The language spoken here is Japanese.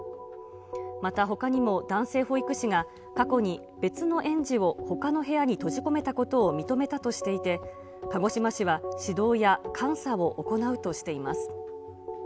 またほかにも男性保育士が過去に別の園児をほかの部屋に閉じ込めたことを認めたとしていて、鹿児島市は指導や監査を行うとしています。